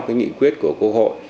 cái nghị quyết của quốc hội